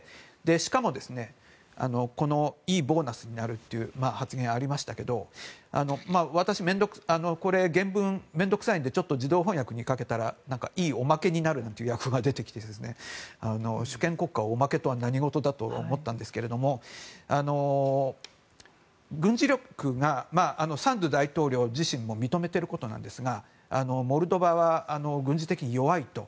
しかも、いいボーナスになるという発言がありましたけど私、原文、面倒くさいので自動翻訳にかけたらいいおまけになるという訳が出てきて主権国家をおまけとは何事だと思ったんですけれども軍事力がサンドゥ大統領自身も認めていることなんですがモルドバは軍事的に弱いと。